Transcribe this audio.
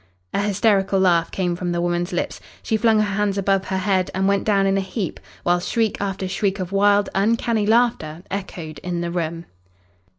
A hysterical laugh came from the woman's lips. She flung her hands above her head and went down in a heap, while shriek after shriek of wild, uncanny laughter echoed in the room.